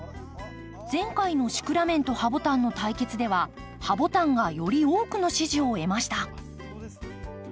前回のシクラメンとハボタンの対決ではハボタンがより多くの支持を得ました。